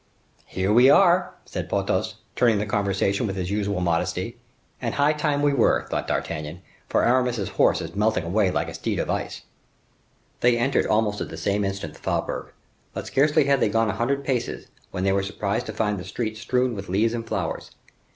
"Here we are," said Porthos, turning the conversation with his usual modesty. "And high time we were," thought D'Artagnan, "for Aramis's horse is melting away like a steed of ice." They entered almost at the same instant the faubourg; but scarcely had they gone a hundred paces when they were surprised to find the streets strewed with leaves and flowers.